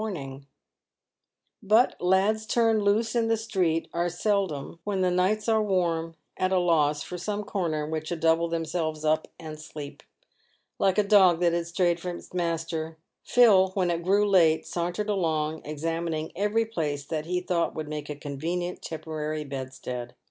G 2 84 £AVED WITH GOLD. But lads turned loose in the street are seldom, when the nights are warm, at a loss for some corner in which to double themselves up and sleep. Like a dog that had strayed from its master, Phil, when it grew late, sauntered along, examining every place that he thought would make a convenient temporary bedstead.